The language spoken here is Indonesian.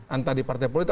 anta di partai polita